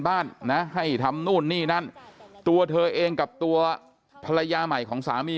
บ้านนะให้ทำนู่นนี่นั่นตัวเธอเองกับตัวภรรยาใหม่ของสามี